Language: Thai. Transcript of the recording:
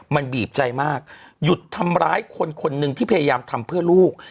มันบีบใจมากหยุดทำร้ายคนคนหนึ่งที่พยายามทำเพื่อลูก